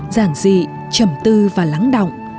giản dị trầm tư và lắng động